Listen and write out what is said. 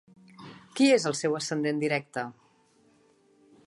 Qui és el seu ascendent directe?